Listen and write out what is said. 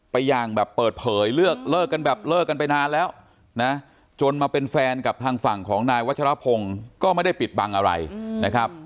อย่างแบบเปิดเผยเลิกกันแบบเลิกกันไปนานแล้วนะจนมาเป็นแฟนกับทางฝั่งของนายวัชรพงศ์ก็ไม่ได้ปิดบังอะไรนะครับ